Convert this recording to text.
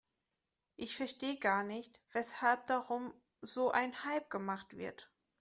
Ich verstehe gar nicht, weshalb darum so ein Hype gemacht wird.